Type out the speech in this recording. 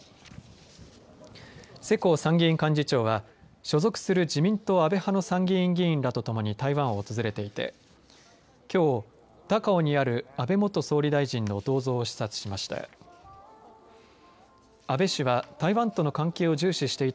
世耕参議院幹事長は所属する自民党安倍派の参議院議員らと共に台湾を訪れていてきょう高雄にある安倍元総理大臣の銅像を視察しました。